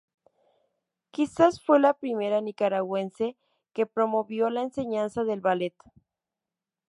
Quizás fue la primera nicaragüense que promovió la enseñanza del ballet.